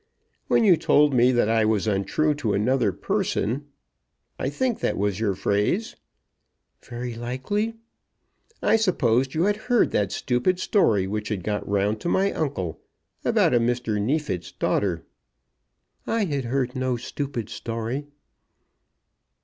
"When you told me that I was untrue to another person ; I think that was your phrase." "Very likely." "I supposed you had heard that stupid story which had got round to my uncle, about a Mr. Neefit's daughter." "I had heard no stupid story."